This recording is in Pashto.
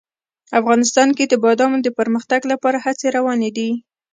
افغانستان کې د بادامو د پرمختګ لپاره هڅې روانې دي.